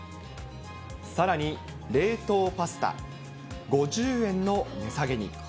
さらに、冷凍パスタ、５０円の値下げに。